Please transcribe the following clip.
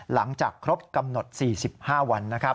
หลังจากครบกำหนด๔๕วัน